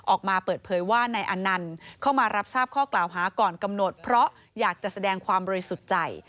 ออกมาเปิดเผยว่านายอนันต์เข้ามารับทราบข้อกล่าวหาก่อนกำหนดเพราะอยากจะแสดงความบริสุทธิ์ใจ